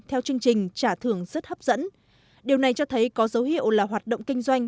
theo chương trình trả thưởng rất hấp dẫn điều này cho thấy có dấu hiệu là hoạt động kinh doanh